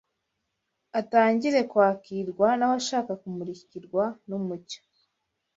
atangire kwakirwa n’abashaka kumurikirwa n’umucyo;